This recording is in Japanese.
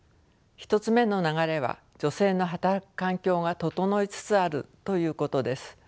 １つ目の流れは女性の働く環境が整いつつあるということです。